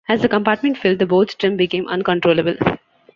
As the compartment filled, the boat's trim became uncontrollable.